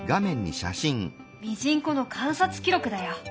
ミジンコの観察記録だよ。